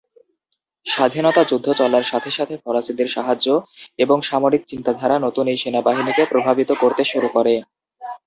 স্বাধীনতা যুদ্ধ চলার সাথে সাথে ফরাসিদের সাহায্য, এবং সামরিক চিন্তাধারা নতুন এই সেনাবাহিনীকে প্রভাবিত করতে শুরু করে।